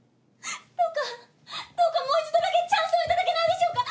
どうかどうかもう一度だけチャンスを頂けないでしょうか！？